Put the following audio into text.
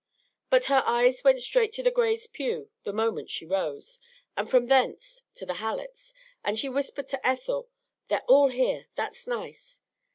But her eyes went straight to the Grays' pew the moment she rose, and from thence to the Halletts', and she whispered to Ethel, "They're all here. That's nice."